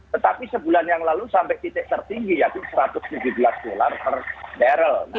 tetapi sebulan yang lalu sampai titik tertinggi yaitu satu ratus tujuh belas dolar per barrel